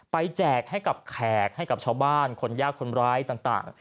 แจกให้กับแขกให้กับชาวบ้านคนยากคนร้ายต่าง